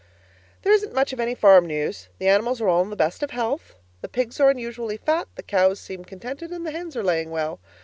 There isn't much of any farm news. The animals are all in the best of health. The pigs are unusually fat, the cows seem contented and the hens are laying well.